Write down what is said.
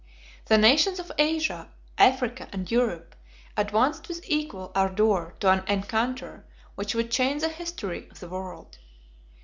The nations of Asia, Africa, and Europe, advanced with equal ardor to an encounter which would change the history of the world.